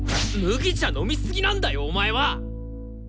麦茶飲みすぎなんだよお前は！